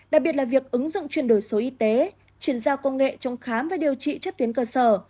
đặc biệt là việc ứng dụng chuyển đổi số y tế chuyển giao công nghệ trong khám và điều trị chất tuyến cơ sở